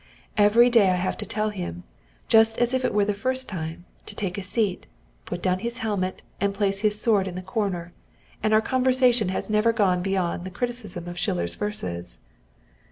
Every day I have to tell him, just as if it were the first time, to take a seat, put down his helmet, and place his sword in the corner, and our conversation has never gone beyond the criticism of Schiller's verses."